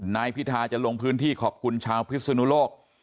นายพิธาจะลงพื้นที่ขอบคุณชาวพิศนุโลก